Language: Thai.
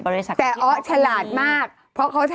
บริษัททัวร์คนทำเยอะอยู่นะ